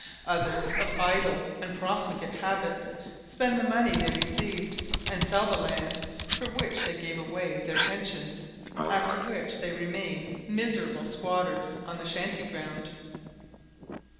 Others, of idle and profligate habits, spend the money they received, and sell the land, for which they gave away their pensions, after which they remain miserable squatters on the shanty ground.